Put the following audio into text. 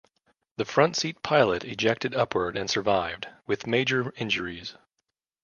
The front-seat pilot ejected upward and survived, with major injuries.